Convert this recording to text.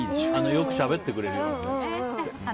よくしゃべってくれるね。